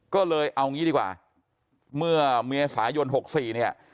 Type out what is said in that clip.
ก็เลยเอางี้ดีกว่าเมื่อเมษายน๖๔เนี่ย